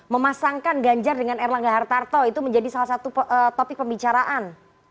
memasangkan ganjar dengan erlangga hartarto itu menjadi salah satu topik pembicaraan